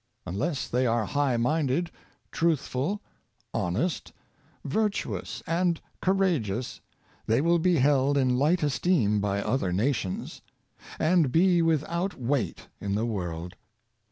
Unless they are high minded, truthful, honest, virtuous, and courageous, they will be held in light esteem by other nations, and be without weight in the world.